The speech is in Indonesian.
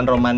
ga ada apa